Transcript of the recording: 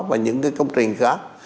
và những cái công trình khác